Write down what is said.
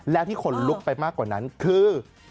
แล้วที่ขนลุกไปมากกว่านั้นคือ